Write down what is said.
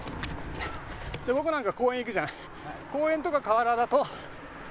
で僕なんか公園行くじゃん。